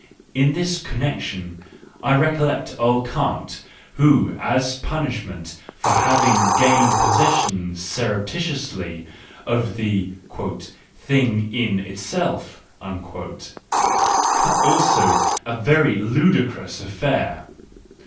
In this connection I recollect old Kant, who, as a punishment for having gained possession surreptitiously of the "thing in itself"—also a very ludicrous affair!